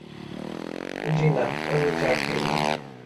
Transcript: জ্বি না, আমি চা খাই না।